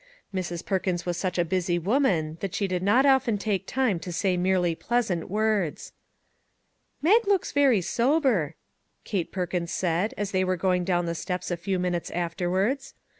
Mrs. Perkins was such a busy woman that she did not often take time to say merely pleasant words. " Mag looks very sober," Kate Perkins said, as they were going down the steps a few min utes afterwards.